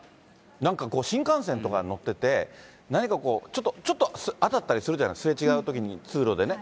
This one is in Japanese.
なんかこう、新幹線とか乗ってて、何かちょっと当たったりするじゃない、すれ違うときに、通路でね。